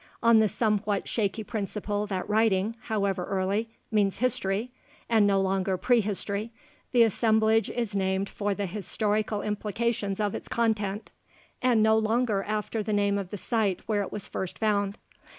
On the somewhat shaky principle that writing, however early, means history and no longer prehistory the assemblage is named for the historical implications of its content, and no longer after the name of the site where it was first found.